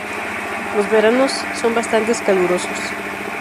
Los veranos son bastantes calurosos.